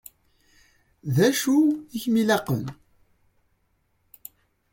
D acu ay kem-iqellqen?